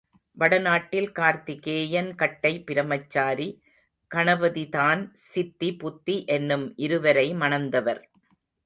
வடநாட்டில் கார்த்திகேயன் கட்டை பிரமச்சாரி, கணபதிதான் சித்தி புத்தி என்னும் இருவரை மணந்தவர்.